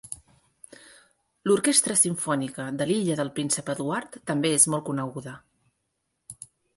L'Orquestra Simfònica de l'Illa del Príncep Eduard també és molt coneguda.